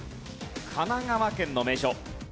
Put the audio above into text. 神奈川県の名所。